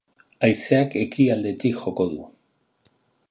Haizeak ekialdetik joko du.